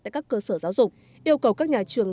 tại các cơ sở giáo dục yêu cầu các nhà trường